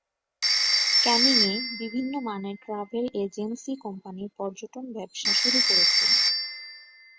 ক্যানিং এ বিভিন্ন মানের ট্রাভেল এজেন্সি কোম্পানি পর্যটন ব্যবসা শুরু করেছে।